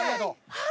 はい！